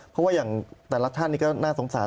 เพราะว่าอย่างแต่ละท่านนี่ก็น่าสงสาร